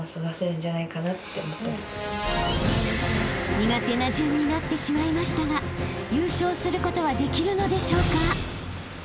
［苦手な順になってしまいましたが優勝することはできるのでしょうか？］